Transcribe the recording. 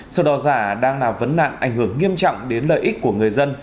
sổ đỏ giả đang là vấn nạn ảnh hưởng nghiêm trọng đến lợi ích của người dân